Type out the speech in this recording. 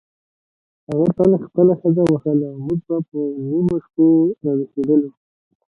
هغه تل خپله ښځه وهله او موږ به په نیمو شپو راویښېدلو.